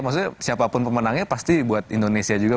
maksudnya siapapun pemenangnya pasti buat indonesia juga